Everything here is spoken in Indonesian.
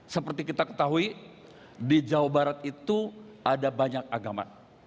seperti kita ketahui di jawa barat itu ada banyak agama